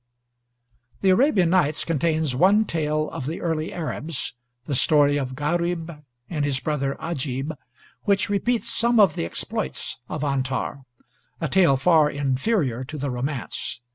The 'Arabian Nights' contains one tale of the early Arabs, the story of Gharib and his brother Ajib, which repeats some of the exploits of Antar; a tale far inferior to the romance.